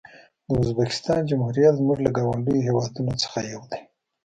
د ازبکستان جمهوریت زموږ له ګاونډیو هېوادونو څخه یو دی.